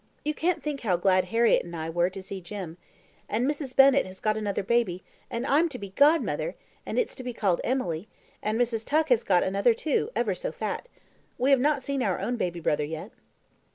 You can't think how glad Harriett and I were to see Jim. And Mrs. Bennett has got another baby, and I'm to be godmother, and it's to be called Emily; and Mrs. Tuck has got another too, ever so fat. We have not seen our own baby brother yet."